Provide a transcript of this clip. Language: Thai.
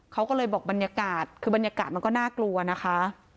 เขาก็เลยบอกบรรยากาศคือบรรยากาศมันก็น่ากลัวนะคะ